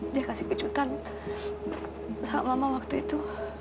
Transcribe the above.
dia kasih kecutan sama mama waktu itu